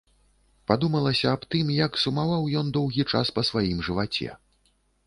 Падумалася аб тым, як сумаваў ён доўгі час па сваім жываце.